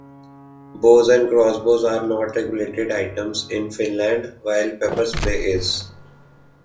Bows and crossbows are not regulated items in Finland, while pepper spray is.